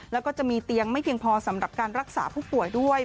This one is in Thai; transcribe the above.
แล้วก็จะมีเตียงไม่เพียงพอสำหรับการรักษาผู้ป่วยด้วย